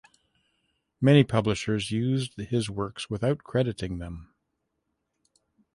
Many publishers used his works without crediting them.